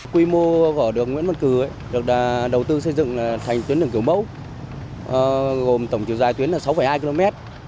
quy mô vở đường nguyễn văn cử được đầu tư xây dựng thành tuyến đường kiểu mẫu gồm tổng chiều dài tuyến là sáu hai km